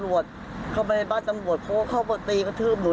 มันก็มาดักหนูเขาทุบบ้างหูตีบบ้างหูหนู